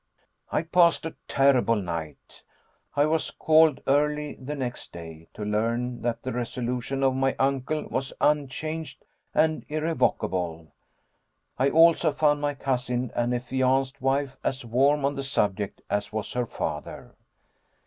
I passed a terrible night. I was called early the next day to learn that the resolution of my uncle was unchanged and irrevocable. I also found my cousin and affianced wife as warm on the subject as was her father.